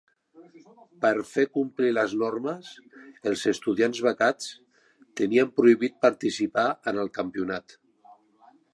Per fer complir les normes, els estudiants becats tenien prohibit participar en el campionat.